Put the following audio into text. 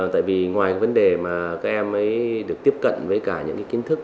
tại vì ngoài vấn đề mà các em mới được tiếp cận với cả những kiến thức